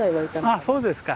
あっそうですか。